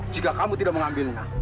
jika kamu tidak mengambilnya